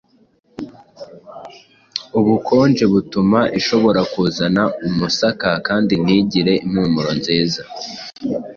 Ubukonje butuma ishobora kuzana umusaka kandi ntigire impumuro nziza.